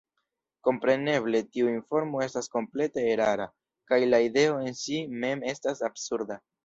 Kompreneble tiu informo estas komplete erara, kaj la ideo en si mem estas absurda.